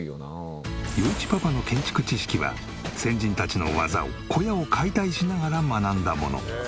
余一パパの建築知識は先人たちの技を小屋を解体しながら学んだもの。